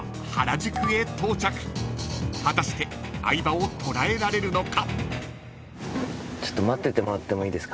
［果たして相葉を捕らえられるのか？］